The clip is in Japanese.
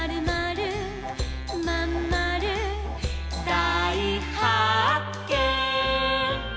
「だいはっけん！」